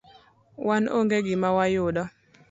wan onge gima wayudo.